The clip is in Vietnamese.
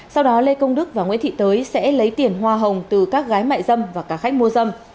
sau đó lê công đức và nguyễn thị tới sẽ lấy tiền hoa hồng từ các gái mại dâm và cả khách mua dâm